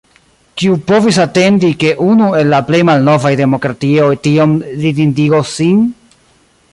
Kiu povis atendi, ke unu el la plej malnovaj demokratioj tiom ridindigos sin?